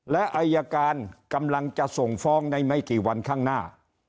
และอายการกำลังจะส่งฟ้องในไม่กี่วันข้างหน้า